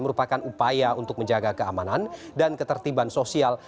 merupakan upaya untuk menjaga keamanan dan ketertiban sosial